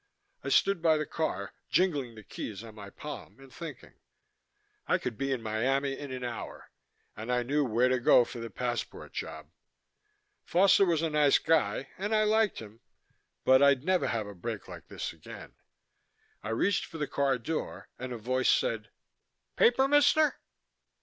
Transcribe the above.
I stood by the car, jingling the keys on my palm and thinking. I could be in Miami in an hour, and I knew where to go for the passport job. Foster was a nice guy and I liked him but I'd never have a break like this again. I reached for the car door and a voice said, "Paper, mister?"